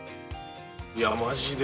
◆いや、マジで。